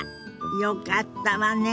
よかったわね。